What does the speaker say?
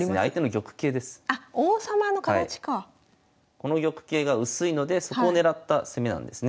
この玉形が薄いのでそこをねらった攻めなんですね。